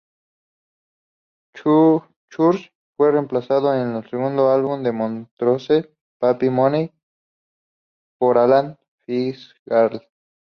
Church fue reemplazado en el segundo álbum de Montrose, "Paper Money", por Alan Fitzgerald.